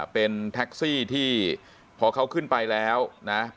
เป็นแท็กซี่ที่พอเขาขึ้นไปแล้วนะ